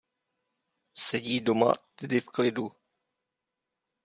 Sedí doma tedy v klidu.